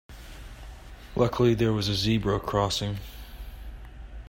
Luckily there was a zebra crossing.